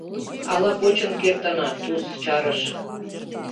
Ала почын кертына, — Туз чарыш.